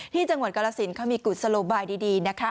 ที่จังหวัดกาลสินเขามีกุศโลบายดีนะคะ